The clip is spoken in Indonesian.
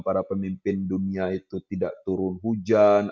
para pemimpin dunia itu tidak turun hujan